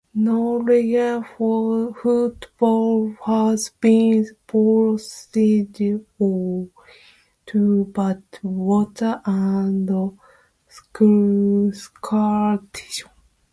No Rugby football has been possible owing to bad weather and scratchings.